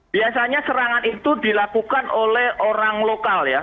biasanya serangan itu dilakukan oleh orang lokal ya